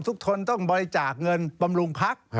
ทุกคนต้องบริจาคเงินบำรุงพัก